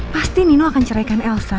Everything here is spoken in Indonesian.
pasti nino akan ceraikan elsa